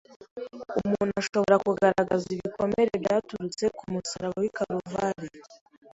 umuntu ashobora kugaragaza ibikomeye byaturutse ku musaraba w’i Kaluvari.